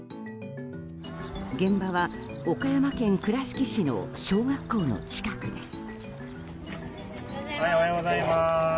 現場は、岡山県倉敷市の小学校の近くです。